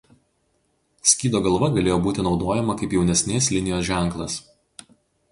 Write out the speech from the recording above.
Skydo galva galėjo būti naudojama kaip jaunesnės linijos ženklas.